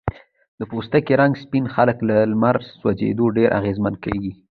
د پوستکي رنګ سپین خلک له لمر سوځېدو ډیر اغېزمن کېږي.